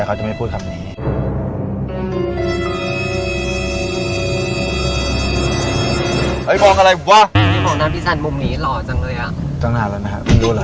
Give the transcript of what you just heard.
ก็ไม่รู้เหรอฮะ